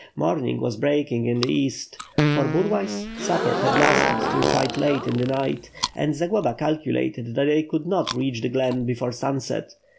Morning was breaking in the east, for Burlay's supper had lasted till quite late in the night; and Zagloba calculated that they could not reach the glen before sunset.